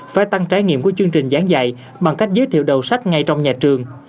phải tăng trải nghiệm của chương trình giảng dạy bằng cách giới thiệu đầu sách ngay trong nhà trường